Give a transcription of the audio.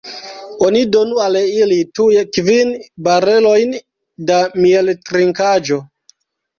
Oni donu al ili tuj kvin barelojn da mieltrinkaĵo!